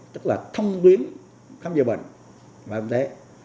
tức là thông tuyến khám chữa bệnh bảo hiểm y tế